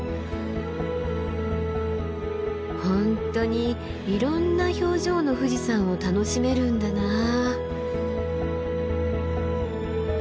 本当にいろんな表情の富士山を楽しめるんだなあ。